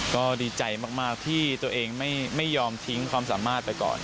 ก็ดีใจมากที่ตัวเองไม่ยอมทิ้งความสามารถไปก่อน